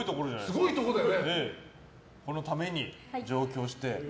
すごいところだよ！